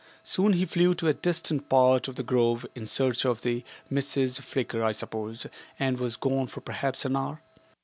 Soon he flew to a distant part of the grove in search of the future Mrs. Flicker, I suppose, and was gone for perhaps an hour.